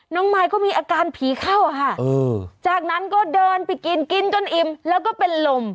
มายก็มีอาการผีเข้าค่ะจากนั้นก็เดินไปกินกินจนอิ่มแล้วก็เป็นลม